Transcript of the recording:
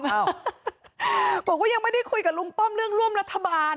บอกว่ายังไม่ได้คุยกับลุงป้อมเรื่องร่วมรัฐบาล